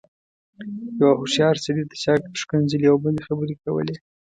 يوه هوښيار سړي ته چا ښکنځلې او بدې خبرې کولې.